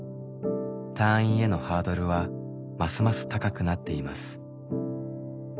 退院へのハードルはますます高くなっています。